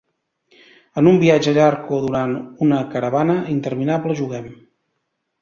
En un viatge llarg o durant una caravana interminable, juguem.